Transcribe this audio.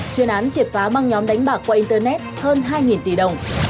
chuyên án triệt phá băng nhóm đánh bạc qua internet hơn hai tỷ đồng